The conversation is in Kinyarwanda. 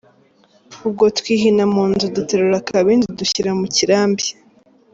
Ubwo twihina mu nzu Duterura akabindi Dushyira mu kirambi.